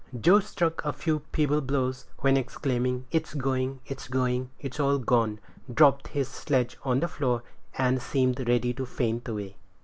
Joe struck a few feeble blows, when exclaiming, "It's going! it's going! it's all gone!" dropped his sledge on the floor, and seemed ready to faint away.